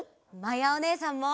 まやおねえさんも！